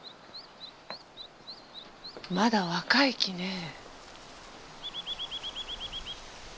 まだ若い木ねぇ。